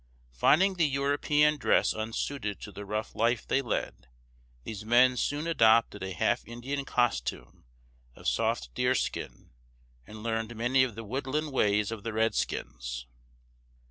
Finding the European dress unsuited to the rough life they led, these men soon adopted a half Indian costume of soft deerskin, and learned many of the woodland ways of the redskins.